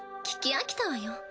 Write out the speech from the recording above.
聞き飽きたわよ。